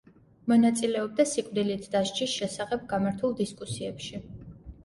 მონაწილეობდა სიკვდილით დასჯის შესახებ გამართულ დისკუსიებში.